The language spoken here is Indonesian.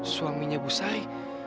suaminya bu sari